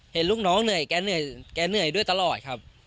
เห็นลูกน้องเหนื่อยแกเหนื่อยด้วยตลอดครับ